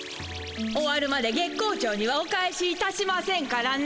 終わるまで月光町にはお帰しいたしませんからね。